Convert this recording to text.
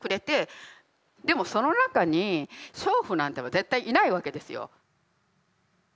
でもその中に娼婦なんていうのは絶対いないわけですよ。